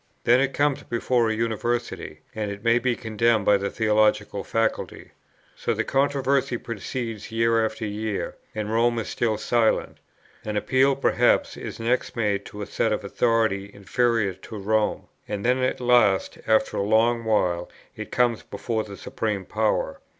Then it comes before a University, and it may be condemned by the theological faculty. So the controversy proceeds year after year, and Rome is still silent. An appeal perhaps is next made to a seat of authority inferior to Rome; and then at last after a long while it comes before the supreme power.